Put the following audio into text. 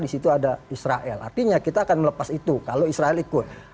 di situ ada israel artinya kita akan melepas itu kalau israel ikut